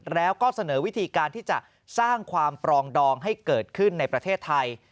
แล้วก็เสนอวิธีการที่จะสร้างความปรองดองให้เกิดขึ้นในประเทศไทย